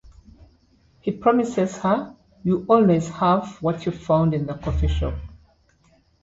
He promises her you will always have what you found in the coffee shop.